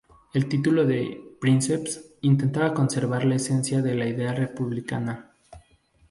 El título de "Princeps" intentaba conservar la esencia de la idea republicana.